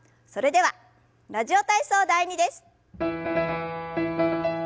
それでは「ラジオ体操第２」です。